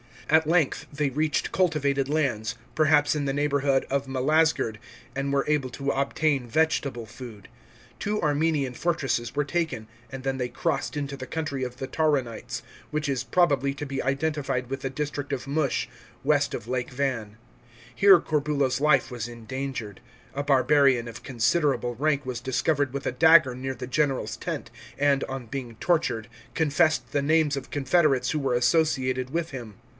At length they reached cultivated lands, perhaps in the neighbourhood of Melaz gerd, and were able to obtain vegetable food. Two Armenian fortresses were taken, and then they crossed into the country of the Tauronites, which is probably to be identified with the district of Mush, west of Lake Van. Here Corbulo's life was endangered. A barbarian of considerable rank was discovered with a dagger near the general's tent, and, on being tortured, confessed the names of confederates who were associated with him.